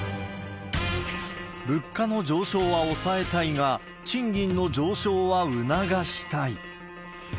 物価の上昇は抑えたいが、賃金の上昇は促したい。